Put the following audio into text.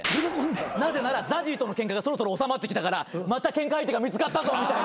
なぜならＺＡＺＹとのケンカがそろそろ収まってきたからまたケンカ相手が見つかったぞみたいな。